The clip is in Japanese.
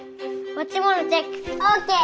持ち物チェックオーケー！